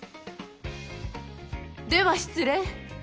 では失礼。